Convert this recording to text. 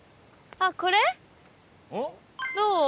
どう？